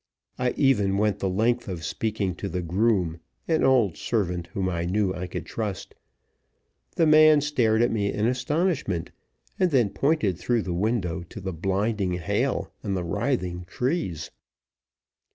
I even went the length of speaking to the groom, an old servant whom I knew I could trust. The man stared at me in astonishment, and then pointed through the window to the blinding hail and the writhing trees.